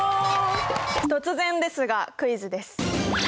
突然ですがクイズです。